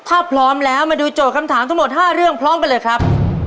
ถ้าพร้อมแล้วมาดูโจทย์คำถามทั้งหมด๕เรื่องพร้อมกันเลยครับ